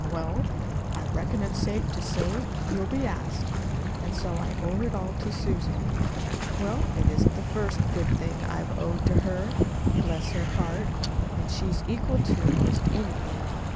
"Hm m; well, I reckon it's safe to say you'll be asked. And so I owe it all to Susan. Well, it isn't the first good thing I've owed to her bless her heart! And she's equal to 'most anything.